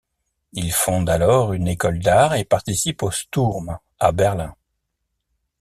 Il fonde alors une école d'art et participe au Sturm à Berlin.